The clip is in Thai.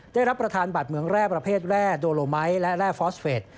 ได้รับประทานบัตรเมืองแร่ประเภทแร่โดโลไมค์และแร่ฟอสเวท